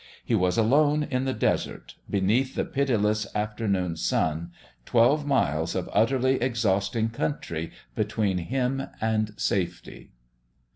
He was alone in the Desert, beneath the pitiless afternoon sun, twelve miles of utterly exhausting country between him and safety.